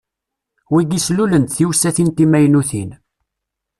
Wigi slulen-d tiwsatin timaynutin.